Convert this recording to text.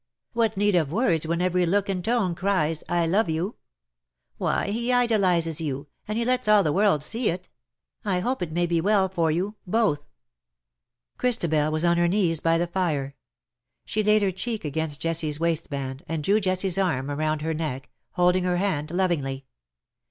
''''" What need of words when every look and tone cries ' I love you V Why he idolizes you, and he lets all the world see it. I hope it may be well for you — both V Christabel was on her knees by the fire. She laid her cheek against Jessicas waistband, and drew Jessicas arm round her neck, holding her hand lovingly.